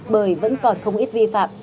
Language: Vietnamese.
bởi vẫn còn không ít vi phạm